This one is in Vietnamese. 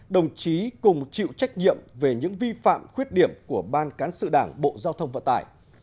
đồng chí cùng chịu trách nhiệm về những vi phạm khuyết điểm của ban cán sự đảng bộ giao thông vận tải